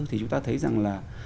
thì chúng ta thấy rằng là